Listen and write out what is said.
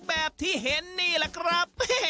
แบบที่เห็นนี่แหละครับ